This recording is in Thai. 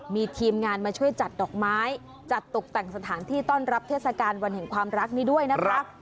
มีทีมงานมาช่วยจัดดอกไม้จัดตกแต่งสถานที่ต้อนรับเทศกาลวันแห่งความรักนี้ด้วยนะครับ